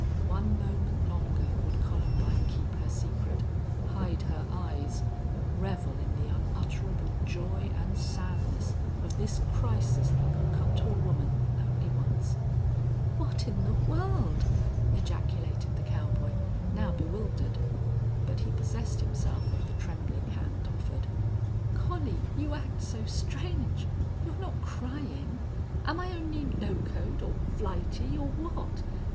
One moment longer would Columbine keep her secret hide her eyes revel in the unutterable joy and sadness of this crisis that could come to a woman only once. "What in the world?" ejaculated the cowboy, now bewildered. But he possessed himself of the trembling hand offered. "Collie, you act so strange.... You're not crying!... Am I only locoed, or flighty, or what?